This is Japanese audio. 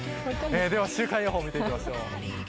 では週間予報を見ていきましょう。